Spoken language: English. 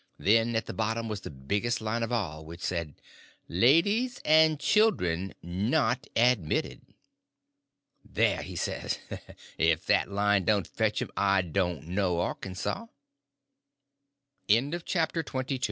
Then at the bottom was the biggest line of all—which said: LADIES AND CHILDREN NOT ADMITTED. "There," says he, "if that line don't fetch them, I dont know Arkansaw!" CHAPTER XXIII. Well, all